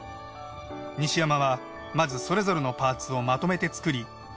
西山はまずそれぞれのパーツをまとめて作り